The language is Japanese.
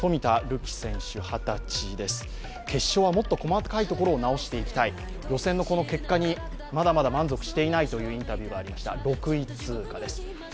決勝はもっと細かいところを直していきたい、予選の結果にまだまだ満足していないというインタビューがありました、６位通過です。